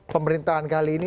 pemerintahan kali ini